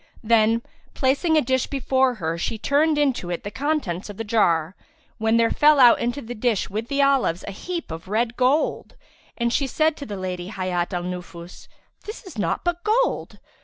Then, placing a dish before her she turned into it the contents of the jar, when there fell out into the dish with the olives a heap of red gold; and she said to the Lady Hayat al Nufus, "This is naught but gold!"